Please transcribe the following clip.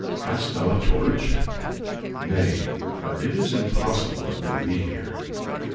"Hast thou a torch?" "Nay, but it is impossible that they be here.